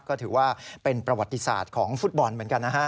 ก็ถือว่าเป็นประวัติศาสตร์ของฟุตบอลเหมือนกันนะฮะ